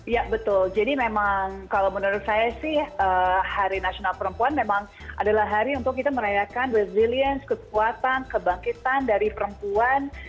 ya betul jadi memang kalau menurut saya sih hari nasional perempuan memang adalah hari untuk kita merayakan resilience kekuatan kebangkitan dari perempuan